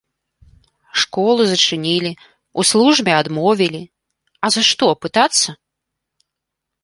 Школу зачынілі, у службе адмовілі, а за што, пытацца?!